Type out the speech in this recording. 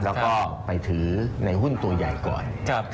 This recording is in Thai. แล้วก็ไปถือในหุ้นตัวใหญ่ก่อน